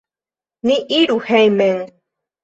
Ni iru hejmen!